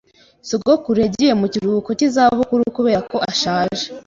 Sogokuru yagiye mu kiruhuko cy'izabukuru kubera ko ashaje.